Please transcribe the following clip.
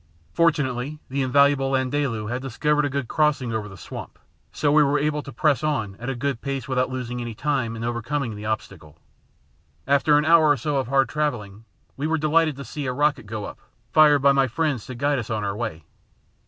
Fortunately the invaluable Landaalu had discovered a good crossing over the swamp, so we were able to press on at a good pace without losing any time in overcoming the obstacle. After an hour or so of hard travelling, we were delighted to see a rocket go up, fired by my friends to guide us on our way.